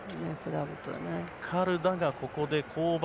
カルダがここで降板。